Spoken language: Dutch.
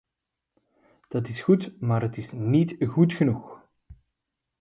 Dat is goed, maar het is niet genoeg.